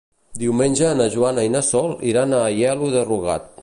Diumenge na Joana i na Sol iran a Aielo de Rugat.